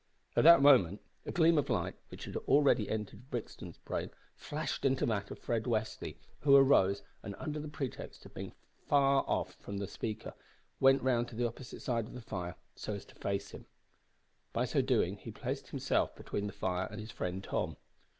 At that moment a gleam of light which had already entered Brixton's brain flashed into that of Fred Westly, who arose, and, under pretext of being too far off from the speaker, went round to the opposite side of the fire so as to face him. By so doing he placed himself between the fire and his friend Tom.